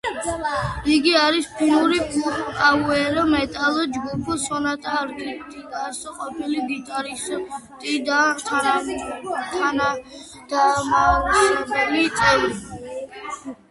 იგი არის ფინური პაუერ მეტალ ჯგუფ სონატა არქტიკას ყოფილი გიტარისტი და თანადამაარსებელი წევრი.